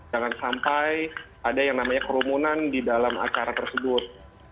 jangan sampai ada yang namanya kerumunan di dalam acara tersebut